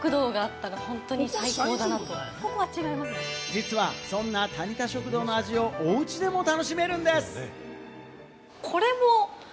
実は、そんなタニタ食堂の味をおうちでも楽しめるんです。